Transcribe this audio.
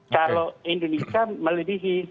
kalau indonesia melebihi